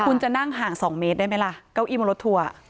คุณจะนั่งห่าง๒เมตรได้ไหมล่ะเก้าอี้บนรถทัวร์